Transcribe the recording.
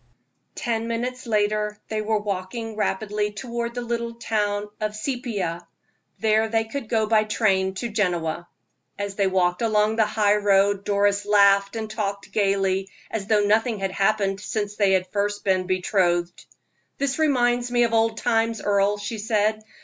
Ten minutes later they were walking rapidly toward the little town of Seipia: there they could go by train to Genoa. As they walked along the high road Doris laughed and talked gayly, as though nothing had happened since they were first betrothed. "This reminds me of old times, Earle," she said.